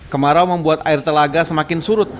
kemarau membuat air telaga semakin surut